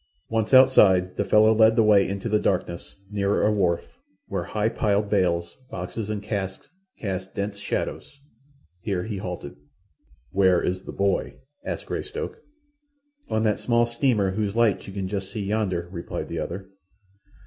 Once outside, the fellow led the way into the darkness, nearer a wharf, where high piled bales, boxes, and casks cast dense shadows. Here he halted. "Where is the boy?" asked Greystoke. "On that small steamer whose lights you can just see yonder," replied the other.